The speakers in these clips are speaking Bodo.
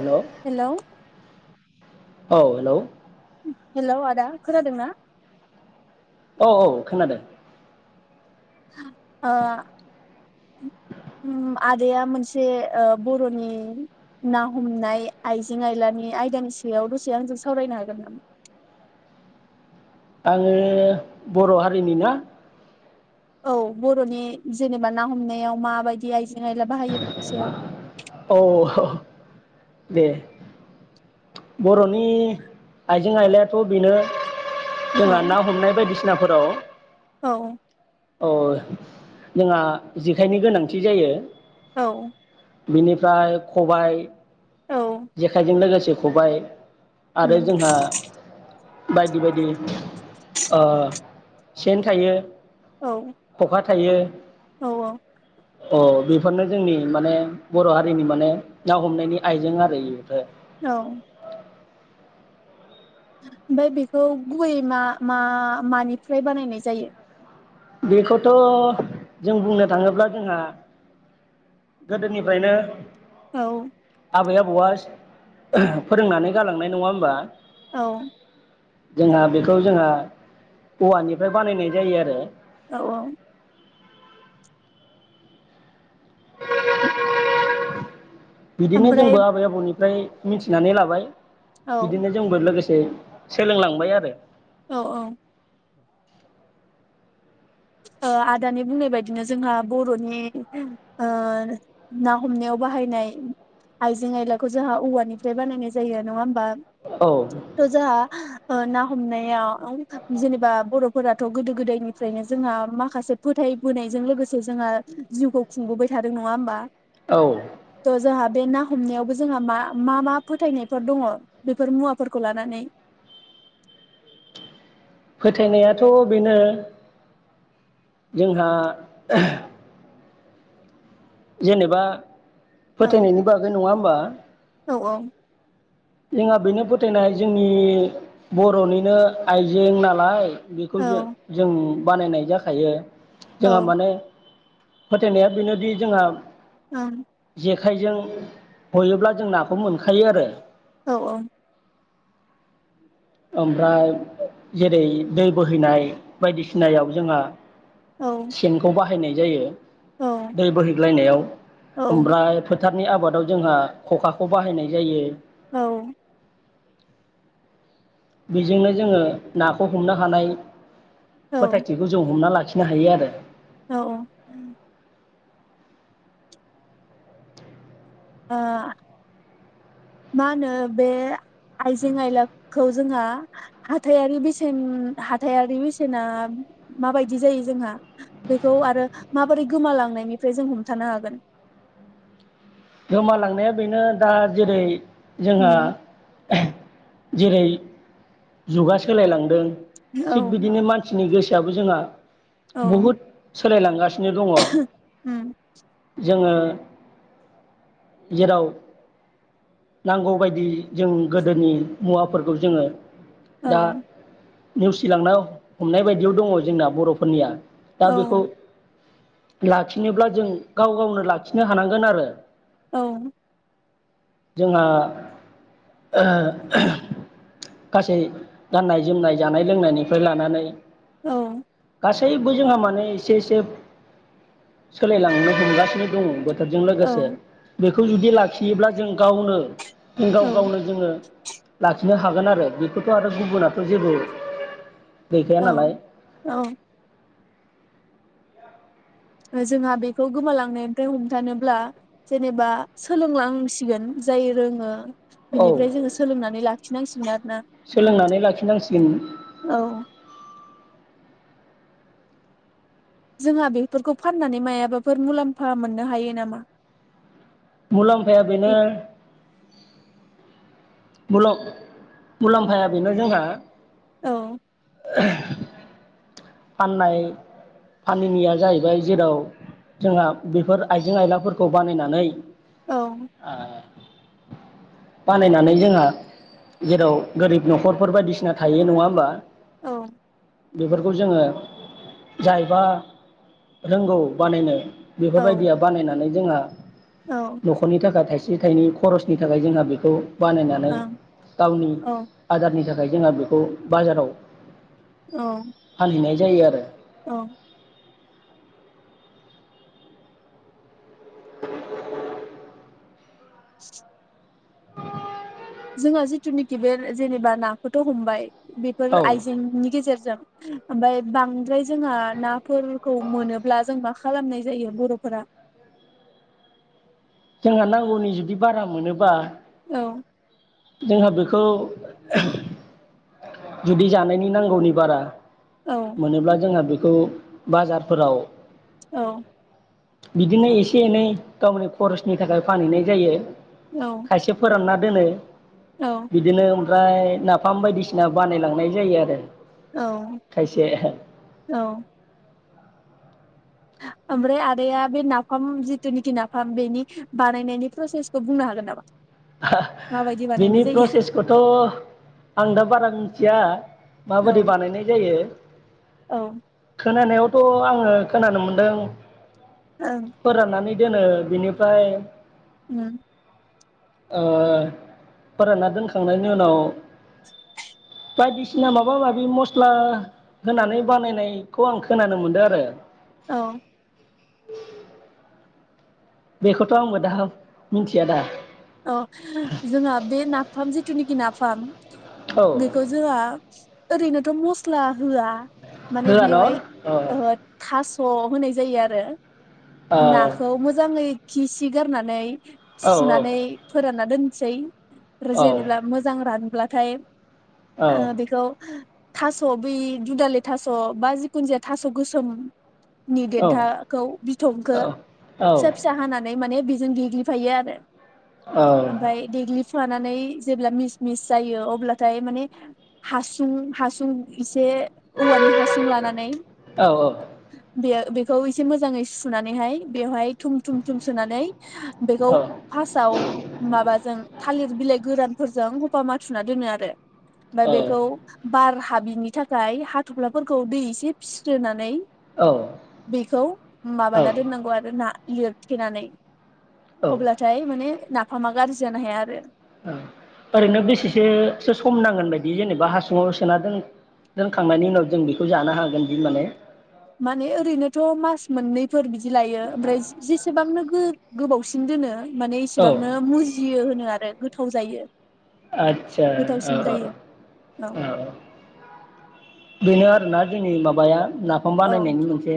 हेलौ हेल' औ हेलौ हेल' आदा खोनादों ना? औ औ खोनादों ओ, ओम आदाया मोनसे बर'नि ना हमनाय आइजें आयलानि आयदानि सायाव दसे आंजों सावरायनो हागोन नामा? आङो बर' हारिनि ना औ बर'नि जेनेबा ना हमनायाव माबायदि आइजें आयला बाहायो बिनि सायाव औ [inaudible] दे बर'नि आइजें आइलायाथ' बेनो जोंहा औ ना हमनाय बायदिसिना ना फोराव [unintelligible] औ औ जोंहा जेखायनि गोनांथि जायो। औ। बिनिफ्राय खबाय औ जेखाइजों लोगोसे खबाय आरो उम जोंहा बायदि बायदि अ सेन थायो औ खखा थायो औ औ बिथ बेफोरनो जोंनि माने बर' हारिनि माने ना हमनायनि आइजें आरो बेफोर औ ओमफाय बेखौ गुबै मा मा मानिफ्राय बानायनाय जायो बेखौथ' जों बुंनो थाङोब्ला जोंहा गोदोनिफ्रायनो औ आबै आबौआ फोरोंनानै गालांनाय नङा होमबा औ जोंहा बेखौ जोंहा औवानिफ्राय बानायनाय जायो आरो औ औ [inaudible] बिदिनो ओमफ्राय जोंबो आबै आबौनि फ्राय मिथिनानै लाबाय औ बिदिनो जोंबो लोगोसे दे सोलोंलांबाय आरो औ औ ओ आदानि बुंनाय बायदिनो जोंहा बर'नि ओ ना हमनायाव बाहायनाय आइजें आयलाखौ जोंहा औवानिफ्राय बानायनाय जायो नङा होमबा औ ओ जोहा ओ ना हमनायाव औ जेनेबा बर' फोरथ' गोदो गोदायनिफ्रायनो जोंहा माखासे फोथायबोनायजों लोगोसे जोंहा जिउखौ खुंबोबाय थादों नङा होमबा औ थ जोहा बे ना हमनायावबो जोंहा मा मा मा फोथायनायफोर दङ बेफोर मुवाफोरखौ लानानै फोथायनायाथ' बेनो जोंहा ओ जेनोबा औ फोथायनायनि बागै नङा होमबा औ जोंहा बेनो फोथायनाय जोंनि बर'निनो आइजें नालाय बेखौ औ जों औ जों बानायनाय जाखायो जोंहा औ माने फोथायनाया बेनोदि जोंहा ओ जेखाइजों हयोब्ला जों नाखौ मोनखायो आरो औ औ ओमफ्राय जेरै दै बोहैनाय बायदिसिनायाव जोंहा औ सेनखौ बाहाय बाहायनाय जायो औ दै बोहैग्लायनायाव औ ओमफ्राय फोथारनि आबादाव जोंहा खखाखौ बाहायनाय जायो औ बेजोंनो जोङो नाखौ हमनो हानाय फोथायथिखौ जौ हमना लाखि सनो हायो आरो औ औ ओ मा होनो बे आइजें आयलाखौ जोंहा हाथाइारि बेसेन हाथाइारि बेसेना माबायदि जायो जोंहा बेखौ आरो माबोरै गोमालांनायनिफ्राय जों हमथानो हागोन गोमालांनाया बेनो दा जेरै जोंहा उम जेरै जुगा सोलायलांदों औ थिग बिदिनो मानसिनि गोसोआ दाबो जोंहा औ सोलाय लांगा नो दंङ उम जोङो [inaudible] जेराव नांगौबायदि जों गोदोनि मुवाफोरखौ जोङो औ दा नेवसिलांनो हमनाय बायदियाव दङ जोंना बर'फोरनिया दा औ बेखौ लाखिनोब्ला जों गाव गावनो लाखिनो हानांगोन आरो औ जोंहा गासै गाननाय जोमनाय जानाय लोंनायनिफ्राय लानानै औ गासैबो जोंहा माने एसे एसे सोलायलांनो हमगासिनो दङ सोरजों औ लोगोसे बेखौ जुदि लाखियोब्ला जों गावनो गाव औ गावनो जोङो लाखि हागोन आरो बेखौथ' आरो गुबुनाथ जेबो गैखाया नालाय औ जोंहा बेखौ गोमालांनायनिफ्राय हमथानोब्ला जेनेबा सोलोंलांसिगोन जाय रोङो औ बेनिफ्राय जोङो सोलोंनानै लाखिनांसिगोन आरोना सोलोंनानै लाखिनांसिगोन औ जोंहा बेफोरखौ फाननानै मायाबाफोर मुलाम्फा मोननो हायो नामा? मुलाम्फाया बेनो मुलम मुलाम्फाया बेनो जोंहा औ [inaudible] फाननाय फानैनिया जाहैबाय जेराव जोंहा बेफोर आइजें आइलाफोरखौ बानायनानै औ ओ बानायनानै जोंहा जेराव गोरिब न'खरफोर बायदिसिना थायो नङा होमबा। औ। बेफोरखौ जोङो जायबा रोंगौ बानायनो औ बेफोरबायदिया बानायनानै जोंहा नखरनि थाखाय थाय से थाइनै खरसनि थाखाय जोंहा बेखौ बानायनानै ओं गावनि औ आदारनि थाखाय थाखाय जोंहा बेखौ बाजाराव औ। फानहैनाय जायो आरो। औ। [inaudible] [inaudible] जोंहा जिथुनिखि बे जेनेबा नाखौथ' हमबाय बेफोर औ आइजेंनि गेजेरजों ओमफाय बांद्राय जोंहा नाफोरखौ मोनोब्ला जों मा खालामनाय जायो बर'फोरा? जोंहा नांगौनि जुदि बारा मोनोबा औ। जोंहा बेखौ जुदि जानायनि नांगौनि बारा औ मोनोब्ला जोंहा बे बखौ बाजारफोराव‌ औ। बिदिनो एसे एनै गावनि खरसनि थाखाय फानहैनाय जायो। औ खायसे फोरानना दोनो। औ बिदिनो। ओमफ्राय नाफाम बायदिसिना। ना बानायलांनाय जायो आरो। औ खायसे औ। ओमफ्राय आदाया बे नाफाम जिथुनिखि नाफाम बेनि बानायनायनि प्रसेसखौ बुंनो हागोन नामा? माबायदि बानायनाय बिनि जायो प्रसेसखौथ' आं दा बारा मिथिया औ माबोरै बानायनाय जायो। औ। खोनानायावथ' आङो खोनानो मोनदों ओं फोरानानै दोनो बिनिफ्राय उम। ओ फोराना दोनखांनायनि उनाव बायदिसिना माबा माबि मस्ला होनानै बानायनायखौ आं खोनानो मोनदों आरो औ। [inaudible] बेखौथ' आंबो दा मिथिया दा। अ जोंहा बे नाफाम जिथु नाखि नाफाम। औ बेखौ जोंहा ओरैनोथ' मस्ला होआ। माने होआ न' बेयावहाय औ ओ थास स' होनाय जायो आरो औ नाखौ मोजाङै खि सि गारनानै औ सुनानै फोरानना दोननोसै। आरो औ जेनेबा मोजां रान ब्लाथाय। औ ओ बेखौ थास' बै दुदालि थास' बा जिखुनु जाया थास' गोसोम नि औ देन्थाखौ बिथंखो औ औ फिसा फिसा हानानै माने जों देग्लि फायो आरो ओमफ्राय देग्लि फानानै जेब्ला मिस मिस जायो अब्लाथाय माने हासुं हासुं इस से औवानि हासुं लानानै बेयो बेखौ एसे मोजाङै सुनानैहाय बेवहाय थुम थुम थुम सोनानै बेखौ औ फार्स्ट औ माबाजों थालिर बिलाइ गोरानफोरजों गफा माथुना दोनो आरो ओमफाय बेखौ बार हाब बिनि थाखाय हाथ'फ्लाफोरखौ दै एसे फिस्रोनानै बेखौ माबाना दोननांगौ आरो ना लिरथेनानै औ अब्लाथाय नाफामा गाज्रि जानो हाया आरो औ ओरैनो बेसेसोसो सम नांगोन बायदि जेनेबा हासुङाव सोना दोन दोनखांनायनि उनाव जों बेखौ जानो हागोन बि माने माने ओरैनोथ' मास मोननैफोर बिदि लायो ओमफ्राय जे-जेसेबां [unintelligible] गोबावसिन दोनो माने औ इसेबांनो मुजियो होनो आरो गो थाव जायो। आतसा गोथावसिन जायो औ औ-औ-औ। बेनो आरोना जोंनि माबाया नाफाम औ ओं बानायनायनि मोनसे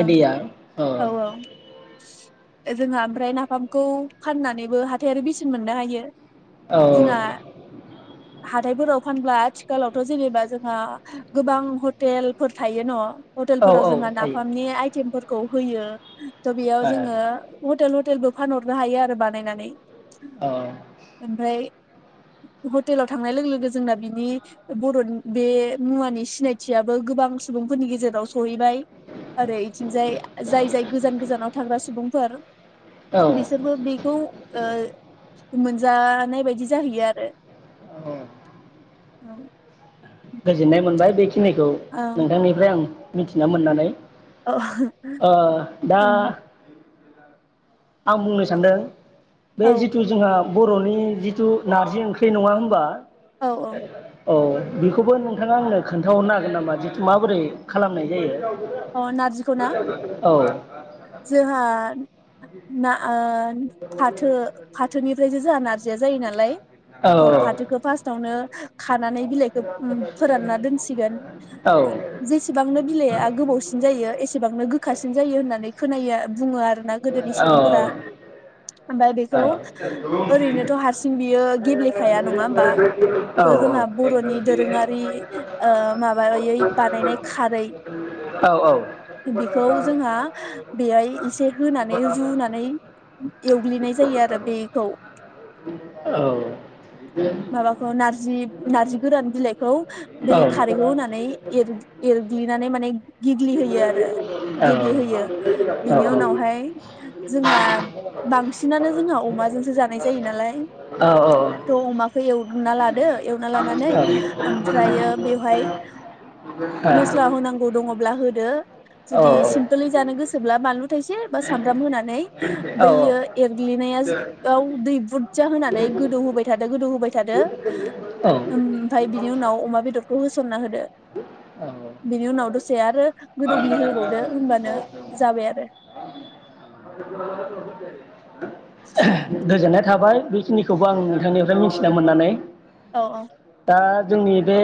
आइदिया ओ औ जोंहा ओमफ्राय नाफामखौ फाननानैबो हाथायारि बेसेन मोननो हायो। औ जोंहा हाथायफोराव फानब्ला आथिखालावथ' जेनेबा जोंहा गोबां हटेलफोर थायो न औ हटेलफोराव औ जोंहा थायो नाफामनि आइटेमफोर खौ होयो त बेयाव जोङो औ हटेल ह टेलबो फानहरनो हायो आरो बानायनानै। ओमफ्राय हटेलाव थांनाय लोगो-लोगो जोंना बिनि बर' बे मुवानि सिनायथियाबो गोबां सुबुं फोरनि गेजेराव सहैबाय आरो बिथिंजाय जाय जाय गोजान गोजानाव थाग्रा सुबुंफोर औ बिसोरबो बेखौ ओ मोनजानाय बायदि जाहैयो आरो। औ। औ गोजोनाय मोनबाय बे खिनिखौ औ नोंथांनिफ्राय आं मिथिना मोननानै। औ ओ दा आं बुंनो सानदों। औ बे जिथु जोंहा बर'नि जिथु नारजि ओंख्रि नङा होनबा। औ [inaudible] औ बेखौबो नोंथाङा आंनो खोन्थाहरनो हागोन नामा जिथु माबोरै खालामनाय जायो। अ नारजिखौ ना औ जोंहा ना ओ फाथो-फाथोनिफ्रायसो जोंहा नारजि या जायो नालाय औ थ फाथोखौ फार्स्टावनो खानानै बिलाइखौ फोरानना दोनसिगोन जेसेबांनो बिलाइआ गोबाव जायो एसेबांनो गोखासिन जायो होननानै खोनायो बुङो आरो [unintelligible] गोदोनि औ सुबुंफोरा ओमफ्राय बेखौ औ ओरैनोथ' हारसिं बियो गेब्लेखाया नङा होमबा औ औ थह औ जोंहा औ बर'नि दोरोङारि ओ माबायै बानायनाय खारै बेखौ जोंहा बेहाय एसे होनानै रुनानै एवग्लिनाय [unintelligible] जायो आरो बेखौ, माबाखौ नारजि नारजि गोरान बिलाइखौ बे खारैखौ होनानै एर एरग्लिनानै माने गेग्लिहोयो आरो गेब्लेहोयो बेनि उनावहाय जोंहा बांसिना जोंहा अमाजोंसो जानाय जायो नालाय थ' अमाखौ एवग्रोना लादो एवना लानानै ओमफ्रायो औ बेवहाय मस्ला होनांगौ दङ [unintelligible] जुदि सिम्पोलै जानो गोसोब्ला बानलु थसे बा सामब्राम होनानै औ बैयो एरग्लिनायाव दै बुरजा होनानै गोदौ होबाय थादो गोदौ होबाय थादो औ ओमफ्राय बिनि उनाव अमा बेदरखौ होसनना होदो बिनि उनाव आरो गोदौग्लि होबावदो होमबानो जाबाय आरो [unintelligible] गोजोननाय थाबाय बेखिनिखौबो आं नोंथांनिफ्राय मिथिना मोननानै औ औ दा जोंनि बे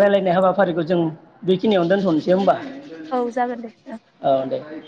रायलायनाय हाबाफारिखौ जों बेखिनियावनो दोनथ'नोसै होमबा औ औ जागोन दे औ दे